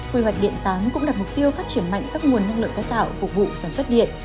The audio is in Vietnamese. quy hoạch điện tám cũng đặt mục tiêu phát triển mạnh các nguồn năng lượng tái tạo phục vụ sản xuất điện